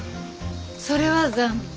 それは残念。